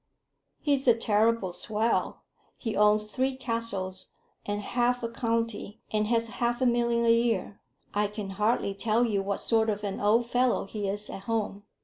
"He's a terrible swell. He owns three castles, and half a county, and has half a million a year. I can hardly tell you what sort of an old fellow he is at home.